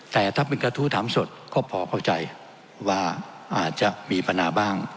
แต่ถ้าเป็นกระทู้ถามสดก็พอเข้าใจว่าอาจจะมีปัญหาบ้าง